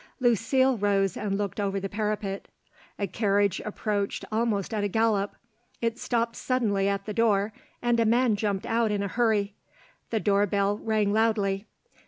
Lucile rose and looked over the parapet. A carriage approached almost at a gallop. It stopped suddenly at the door, and a man jumped out in a hurry. The door bell rang loudly.